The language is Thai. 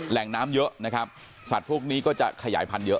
แหล่งน้ำเยอะนะครับสัตว์พวกนี้ก็จะขยายพันธุเยอะ